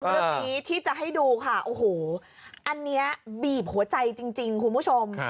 เรื่องนี้ที่จะให้ดูค่ะโอ้โหอันนี้บีบหัวใจจริงคุณผู้ชม